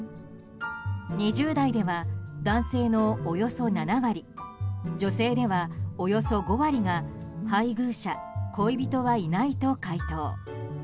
２０代では男性のおよそ７割女性ではおよそ５割が配偶者・恋人はいないと回答。